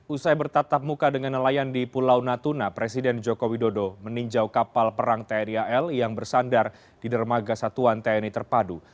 usai bertatap muka dengan nelayan di pulau natuna presiden joko widodo meninjau kapal perang tni al yang bersandar di dermaga satuan tni terpadu